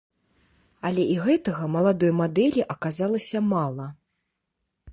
Але і гэтага маладой мадэлі аказалася мала.